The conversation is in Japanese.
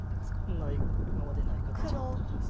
多分今までない形だと思います。